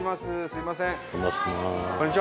すみません。